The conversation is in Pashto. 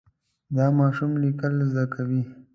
دا ماشوم لیکل زده کوي.